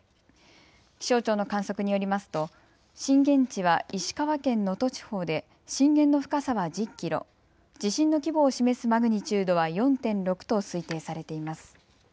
気象庁の観測によりますと震源地は石川県能登地方で震源の深さは１０キロ、地震の規模を示すマグニチュードは４．６と推定されています。